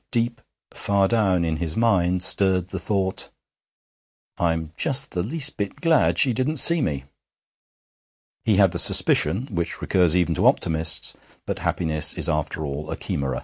Deep, far down, in his mind stirred the thought: 'I'm just the least bit glad she didn't see me.' He had the suspicion, which recurs even to optimists, that happiness is after all a chimera.